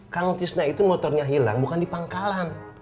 kangen tisna itu motornya hilang bukan di pangkalan